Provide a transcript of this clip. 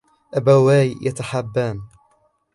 أبواي يتحابان.